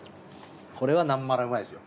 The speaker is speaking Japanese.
これはなまら美味いですよ。